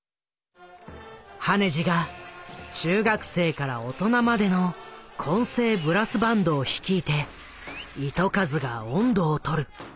羽地が中学生から大人までの混成ブラスバンドを率いて糸数が音頭を取る。